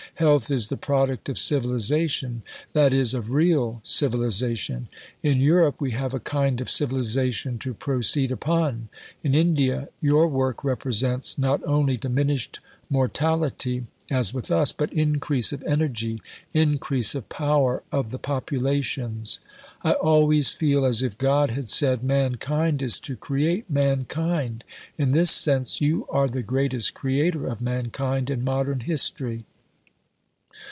Health is the product of civilization, i.e. of real civilization. In Europe we have a kind of civilization to proceed upon. In India your work represents, not only diminished Mortality as with us, but increase of energy, increase of power of the populations. I always feel, as if God had said: mankind is to create mankind. In this sense you are the greatest creator of mankind in modern history....